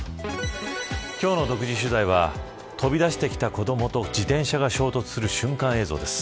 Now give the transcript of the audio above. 今日の独自取材は飛び出してきた子どもと自転車が衝突する瞬間映像です。